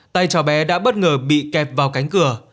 tay cháu bé đã bất ngờ bị kẹt vào cánh cửa